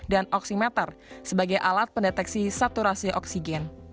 dan oximeter sebagai alat pendeteksi saturasi oksigen